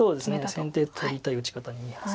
先手取りたい打ち方に見えます。